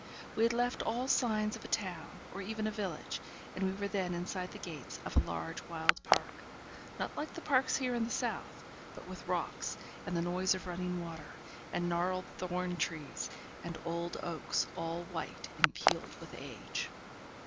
We had left all signs of a town, or even a village, and were then inside the gates of a large wild park not like the parks here in the south, but with rocks, and the noise of running water, and gnarled thorn trees, and old oaks, all white and peeled with age.